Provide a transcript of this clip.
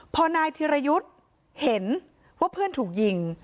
พอนายธิรยุทธ์เห็นว่าเพื่อนถูกยิง